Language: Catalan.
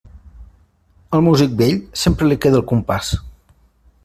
Al músic vell, sempre li queda el compàs.